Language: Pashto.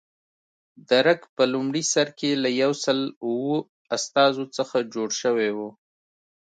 درګ په لومړي سر کې له یو سل اوه استازو څخه جوړ شوی و.